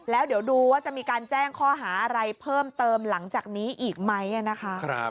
แล้วเดี๋ยวดูว่าจะมีการแจ้งข้อหาอะไรเพิ่มเติมหลังจากนี้อีกไหมนะคะ